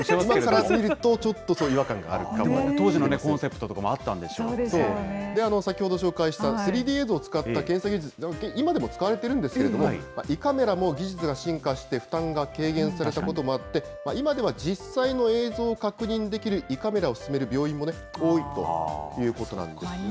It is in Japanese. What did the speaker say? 今から見るとちょっと違和感当時のコンセプトとかもあっ先ほど紹介した３Ｄ映像を使った検査技術、今でも使われてるんですけれども、胃カメラも技術が進化して、負担が軽減されたこともあって、今では実際の映像を確認できる胃カメラを勧める病院も多いということなんです。